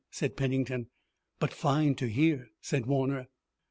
said Pennington. "But fine to hear," said Warner.